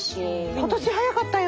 今年早かったよ